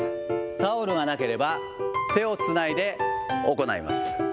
タオルがなければ、手をつないで行います。